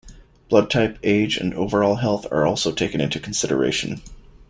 Blood type, age, and overall health are also taken into consideration.